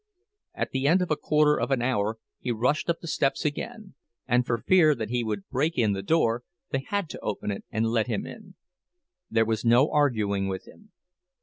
At the end of a quarter of an hour he rushed up the steps again, and for fear that he would break in the door they had to open it and let him in. There was no arguing with him.